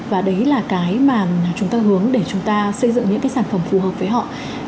và đấy là cái mà chúng ta hướng để chúng ta xây dựng những cái sản phẩm phù hợp với họ